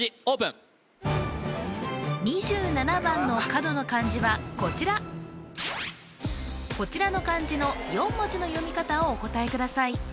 オープン２７番の角の漢字はこちらこちらの漢字の４文字の読み方をお答えください